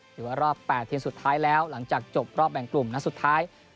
หรือว่ารอบ๘ทีมสุดท้ายแล้วหลังจากจบรอบแบ่งกลุ่มนัดสุดท้าย